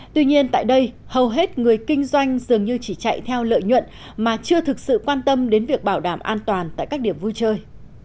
tuy nhiên tại đây hầu hết người kinh doanh dường như chỉ chạy theo lợi nhuận mà chưa thực sự quan tâm đến việc bảo đảm an toàn tại các điểm vui chơi